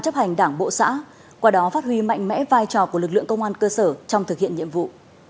chấp hành đảng bộ xã qua đó phát huy mạnh mẽ vai trò của lực lượng công an cơ sở trong thực hiện nhiệm vụ